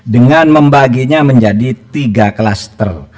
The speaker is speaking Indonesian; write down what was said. dengan membaginya menjadi tiga klaster